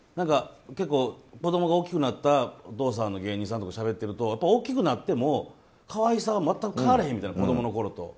子供が大きくなったお父さんの芸人さんとかしゃべってると、大きくなっても可愛さは全く変わらへんみたいな子供のころと。